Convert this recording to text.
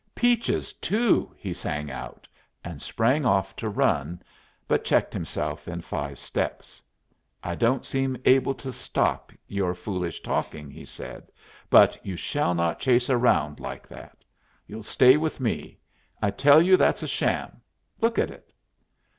"Peaches too!" he sang out, and sprang off to run, but checked himself in five steps. "I don't seem able to stop your foolish talking," he said, "but you shall not chase around like that. You'll stay with me. I tell you that's a sham. Look at it."